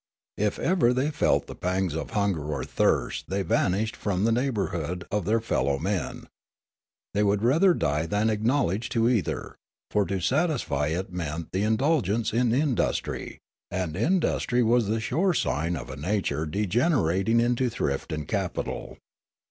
If ever they felt the pangs of hunger or thirst they vanished from the neighbour hood of their fellow men ; they would rather die than acknowledge to either ; for to satisfy it meant the in dulgence in industry ; and industry was the sure sign of a nature degenerating into thrift and capital.